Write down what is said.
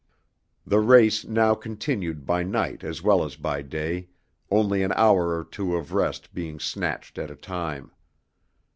The race now continued by night as well as by day, only an hour or two of rest being snatched at a time.